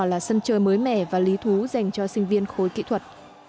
là sân chơi mới mẻ và lý thú dành cho sinh viên khối kỹ thuật